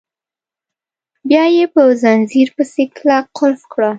بیا یې په ځنځیر پسې کلک قلف کړه.